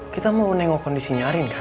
kita mau nengok kondisinya arin kan